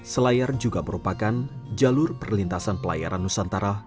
selayar juga merupakan jalur perlintasan pelayaran nusantara